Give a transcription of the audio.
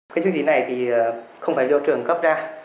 cái chứng chỉ này thì không phải do trường góp ra